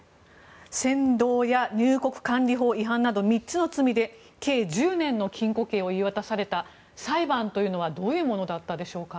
扇動や入国管理法違反など３つの罪で計１０年の禁錮刑を言い渡された裁判というのはどういうものだったんでしょう。